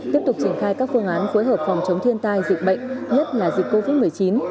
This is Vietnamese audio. tiếp tục triển khai các phương án phối hợp phòng chống thiên tai dịch bệnh nhất là dịch covid một mươi chín